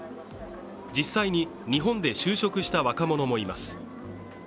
実際に日本で就職した若者もいます